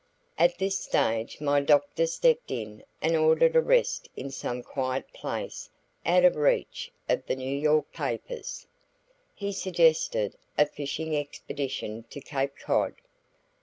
At this stage my doctor stepped in and ordered a rest in some quiet place out of reach of the New York papers; he suggested a fishing expedition to Cape Cod.